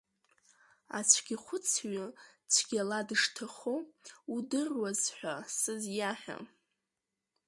Ацәгьахәыцҩы цәгьала дышҭахо удыруаз ҳәа сызиаҳәа.